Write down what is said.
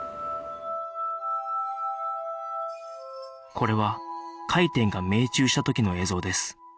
これは回天が命中した時の映像です